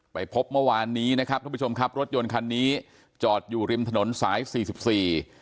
ไปพบเมื่อวานนี้นะครับทุกผู้ชมครับรถยนต์คันนี้จอดอยู่ริมถนนสายสี่สิบสี่